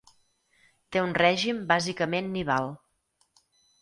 Té un règim bàsicament nival.